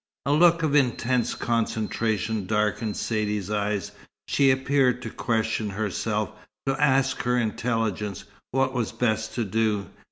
A look of intense concentration darkened Saidee's eyes. She appeared to question herself, to ask her intelligence what was best to do.